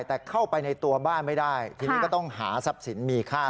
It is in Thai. แต่เข้าไปในตัวบ้านไม่ได้ทีนี้ก็ต้องหาทรัพย์สินมีค่า